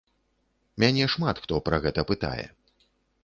Мяне шмат хто пра гэта пытае.